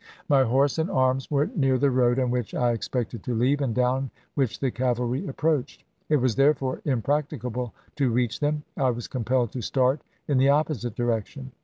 My horse and arms were near the road on which I expected to leave, and down which the cavalry approached ; it was, there fore impracticable to reach them. I was compelled to start in the opposite direction.